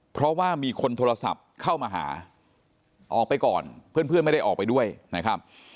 เพราะว่ามีคนโทรศัพท์เข้ามาหาออกไปก่อนเพื่อนไม่ได้ออกไปด้วยนะครับ